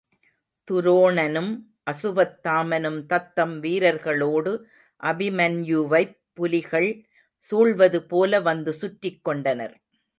துரோணனும் அசுவத்தாமனும் தத்தம் வீரர்களோடு அபிமன்யுவைப் புலிகள் சூழ்வது போல வந்து சுற்றிக் கொண்டனர்.